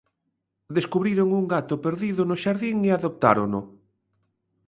Descubriron un gato perdido no xardín e adoptárono.